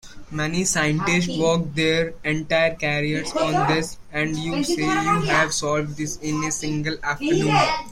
Many scientists work their entire careers on this, and you say you have solved this in a single afternoon?